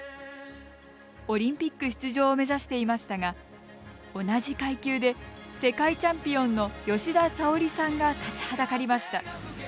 オリンピック出場を目指していましたが同じ階級で世界チャンピオンの吉田沙保里さんが立ちはだかりました。